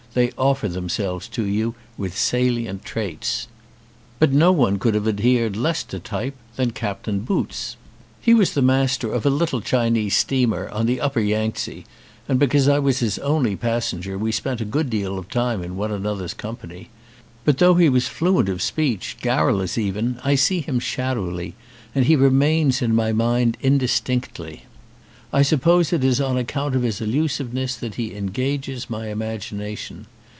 They offer themselves to you with salient traits. But no one could have adhered less to type than Captain Boots. He was the master of a little 2H THE SEA DOG Chinese steamer on the Upper Yangtze and be cause I was his only passenger we spent a good deal of time in one another's company. But though he was fluent of speech, garrulous even, I see him shadowly ; and he remains in my mind in distinctly. I suppose it is on account of his elusiveness that he engages my imagination.